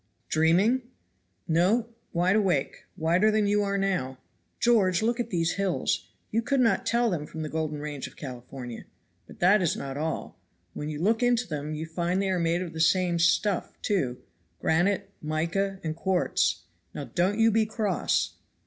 "Dreaming?" "No, wide awake wider than you are now. George, look at these hills; you could not tell them from the golden range of California.. But that is not all; when you look into them you find they are made of the same stuff, too granite, mica and quartz. Now don't you be cross."